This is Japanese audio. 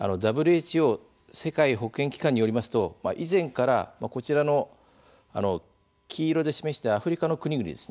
ＷＨＯ＝世界保健機関によりますと、以前からこちらの黄色で示したアフリカの国々